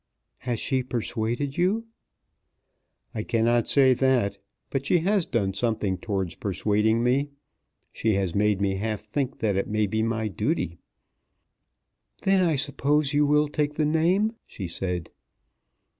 "Has she persuaded you?" "I cannot say that; but she has done something towards persuading me. She has made me half think that it may be my duty." "Then I suppose you will take the name," she said.